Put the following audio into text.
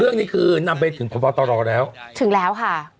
เรื่องนี้คือนำไปถึงผ่อบอตรรแล้ว